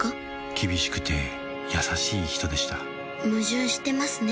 厳しくて優しい人でした矛盾してますね